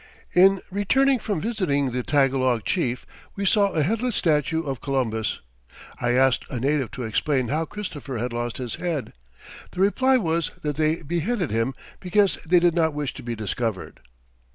"In returning from visiting the Tagalog Chief we saw a headless statue of Columbus. I asked a native to explain how Christopher had lost his head. The reply was that they beheaded him because they did not wish to be discovered.